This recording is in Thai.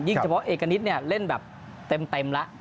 ยิ่งเฉพาะเอกนิตเล่นแบบเต็มละ